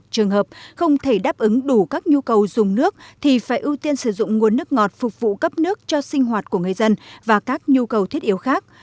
trường hợp không thể đáp ứng đủ các nhu cầu dùng nước thì phải ưu tiên sử dụng nguồn nước ngọt phục vụ cấp nước cho sinh hoạt của người dân và các nhu cầu thiết yếu khác